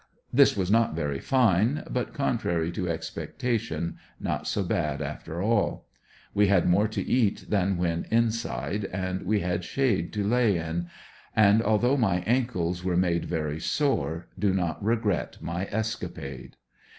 This was not very fine, but contrary to expectation not so bad after alL We had more to eat than when inside, and we had shade to lay in, and although my ancles were made very sore, do not regret my escapade.